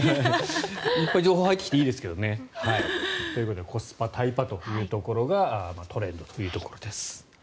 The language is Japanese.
情報が入ってきていいですけどね。ということでコスパ＆タイパというところがトレンドというところです。